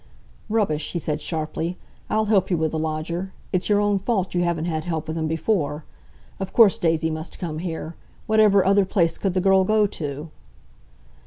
"Rubbish!" he said sharply. "I'll help you with the lodger. It's your own fault you haven't had help with him before. Of course, Daisy must come here. Whatever other place could the girl go to?"